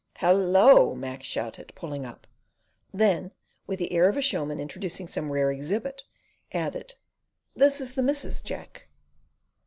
"Hallo" Mac shouted, pulling up. Then, with the air of a showman introducing some rare exhibit, added: "This is the missus, Jack."